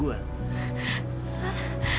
dia udah ngyianatin gue